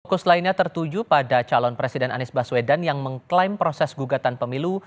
fokus lainnya tertuju pada calon presiden anies baswedan yang mengklaim proses gugatan pemilu